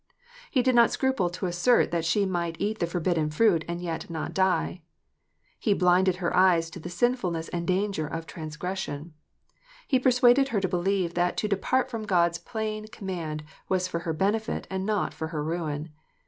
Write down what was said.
He did not scruple to assert that she might eat the forbidden fruit and yet " not die." He blinded her eyes to the sinfulness and danger of transgression. He persuaded her to believe that to depart from God s plain com mand was for her benefit and not for her ruin.